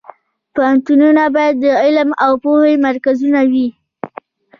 پوهنتونونه باید د علم او پوهې مرکزونه وي